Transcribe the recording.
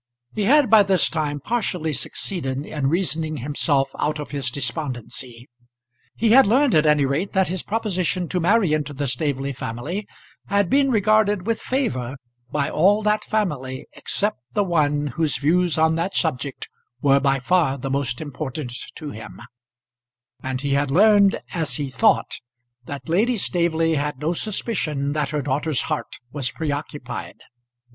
He had by this time partially succeeded in reasoning himself out of his despondency. He had learned at any rate that his proposition to marry into the Staveley family had been regarded with favour by all that family except the one whose views on that subject were by far the most important to him; and he had learned, as he thought, that Lady Staveley had no suspicion that her daughter's heart was preoccupied.